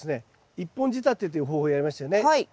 １本仕立てという方法をやりましたよね。